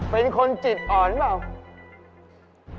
เป็นคนจิตอ่อนเหรอ